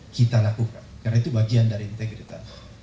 kita lakukan karena itu bagian dari integritas